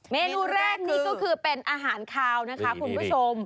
เมนูแรกนี้ก็คือเป็นอาหารคาวนะคะคุณผู้ชม